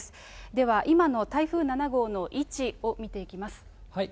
では、今の台風７号の位置を見ていきます。